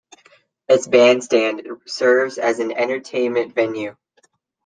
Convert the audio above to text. Its bandstand serves as an entertainment venue.